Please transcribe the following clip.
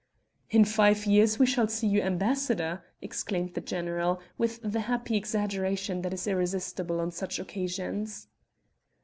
"In five years we shall see you ambassador," exclaimed the general, with the happy exaggeration that is irresistible on such occasions.